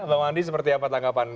pak wandi seperti apa tanggapan